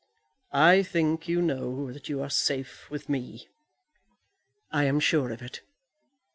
"I think you know that you are safe with me." "I am sure of it.